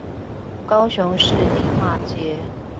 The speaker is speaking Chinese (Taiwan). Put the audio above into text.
高雄市迪化街